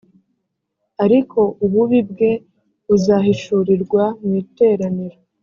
ariko ububi bwe buzahishurirwa mu iteraniro